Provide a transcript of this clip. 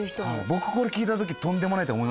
僕これ聞いた時とんでもないと思いましたね